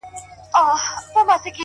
• د لېوه بچی کوم چا وو پیدا کړی ,